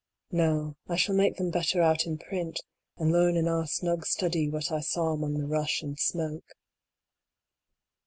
No, I shall make them better out in print, and learn in our snug study what I saw among the rush and smoke.